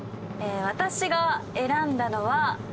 私が選んだのは。